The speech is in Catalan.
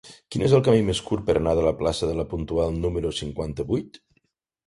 Quin és el camí més curt per anar a la plaça de La Puntual número cinquanta-vuit?